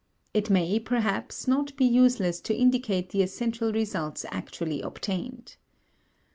It may, perhaps, not be useless to indicate the essential results actually obtained.